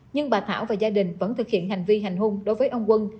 nhưng bà thảo và gia đình vẫn thực hiện hành vi hành hung đối với ông quân